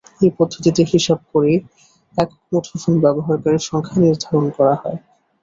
এই পদ্ধতিতে হিসাব করেই একক মুঠোফোন ব্যবহারকারীর সংখ্যা নির্ধারণ করা হয়।